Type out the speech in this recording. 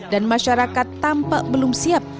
dan masyarakat tampak belum siap